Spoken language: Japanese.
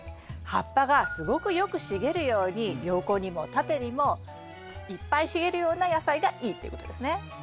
葉っぱがすごくよく茂るように横にも縦にもいっぱい茂るような野菜がいいっていうことですね。